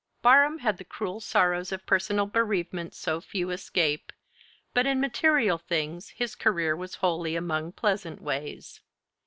Barham had the cruel sorrows of personal bereavement so few escape; but in material things his career was wholly among pleasant ways.